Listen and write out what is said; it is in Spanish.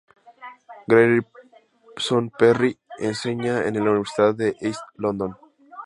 Grayson Perry enseña en la universidad de East London.